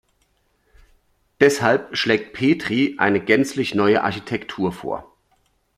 Deshalb schlägt Petri eine gänzlich neue Architektur vor.